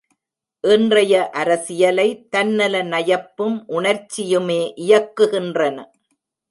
இன்றைய அரசியலை, தன்னல நயப்பும் உணர்ச்சியுமே இயக்குகின்றன.